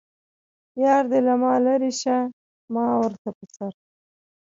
یار دې له ما لرې شه ما ورته په سر.